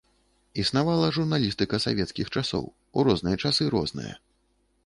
Існавала журналістыка савецкіх часоў, у розныя часы розная.